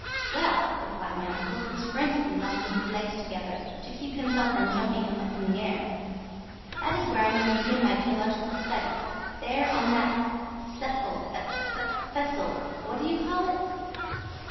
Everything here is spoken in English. "Well," replied my uncle, who was frantically locking his legs together to keep himself from jumping up in the air, "that is where I mean to begin my geological studies, there on that Seffel Fessel what do you call it?"